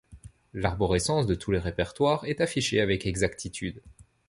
L'arborescence de tous les répertoires est affichée avec exactitude.